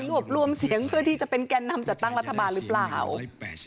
รวบรวมเสียงเพื่อที่จะเป็นแก่นำจัดตั้งรัฐบาลหรือเปล่า